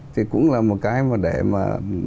thì cũng là một cái mà để mà